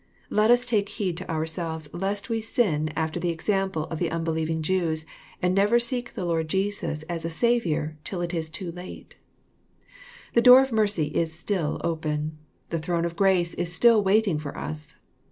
Let us take heed to ourselves lest we sin 'afLer the ex ample of the unbelieving Jews, and never seek the Lord 7# c^ ': Jesus as a Saviour till it is too late. The door of mercy ^^ is still open. The throne of grace is stilly waiting for us.